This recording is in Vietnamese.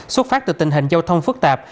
xuất phát từ tình hình giao thông phức tạp